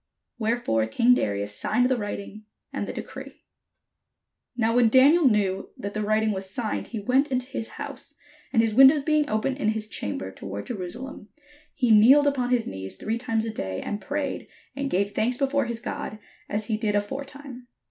Wherefore king Darius signed the writing and the decree. Now when Daniel knew that the writing was signed, he went into his house; and his windows being open in his chamber toward Jerusalem, he kneeled upon his knees three times a day, and prayed, and gave thanks before his God, as he did aforetime.